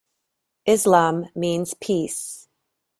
Islam means peace.